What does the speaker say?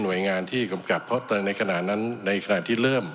โดยงานที่กำกับเพราะในขณะนั้นในขณะที่เริ่ม